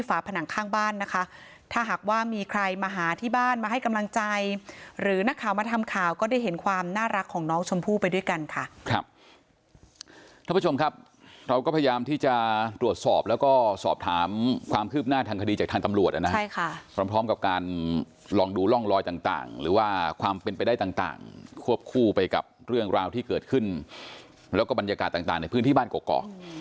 แม่เพิ่งจะรู้จักวันแม่เพิ่งจะรู้จักวันแม่เพิ่งจะรู้จักวันแม่เพิ่งจะรู้จักวันแม่เพิ่งจะรู้จักวันแม่เพิ่งจะรู้จักวันแม่เพิ่งจะรู้จักวันแม่เพิ่งจะรู้จักวันแม่เพิ่งจะรู้จักวันแม่เพิ่งจะรู้จักวันแม่เพิ่งจะรู้จักวันแม่เพิ่งจะรู้จักวันแม่เพิ่งจะรู้จักวันแม่เพิ่งจะรู้จัก